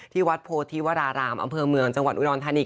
วัดโพธิวรารามอำเภอเมืองจังหวัดอุดรธานี